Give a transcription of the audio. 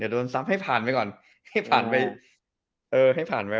ต้องซ้ำให้ผ่านไป